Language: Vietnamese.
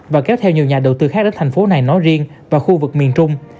và kéo theo nhiều nhà đầu tư khác đến thành phố này nói riêng và khu vực miền trung